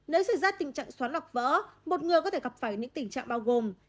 nếu xảy ra tình trạng xoắn lọc vỡ một người có thể gặp phải những tình trạng bao gồm